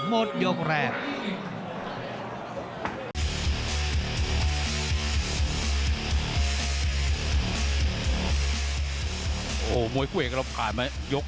หมดยกแรก